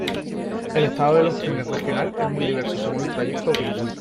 El estado de los trenes "Regional" es muy diverso según el trayecto a utilizar.